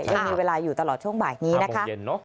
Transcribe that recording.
ยังมีเวลาอยู่ตลอดช่วงบ่ายนี้นะคะ